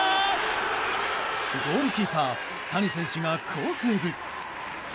ゴールキーパー谷選手が好セーブ。